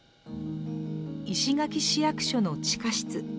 石垣市役所の地下室。